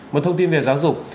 một thông tin về giáo dục